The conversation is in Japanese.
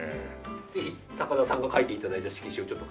ぜひ高田さんが書いて頂いた色紙をちょっと。